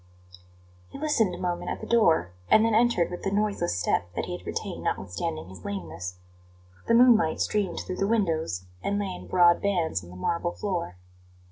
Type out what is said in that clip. He listened a moment at the door, and then entered with the noiseless step that he had retained notwithstanding his lameness. The moonlight streamed through the windows, and lay in broad bands on the marble floor.